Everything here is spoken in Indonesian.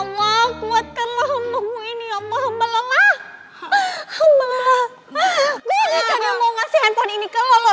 gue gak mau kasih handphone ini ke lo